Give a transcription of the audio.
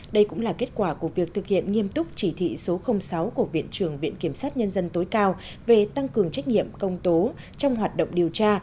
đây cũng là kết quả của việc thực hiện nghiêm túc chỉ thị số sáu của viện trưởng viện kiểm sát nhân dân tối cao về tăng cường trách nhiệm công tố trong hoạt động điều tra